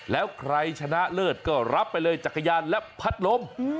แล้วใครชนะเลิศก็รับไปเลยจักรยานและพัดลม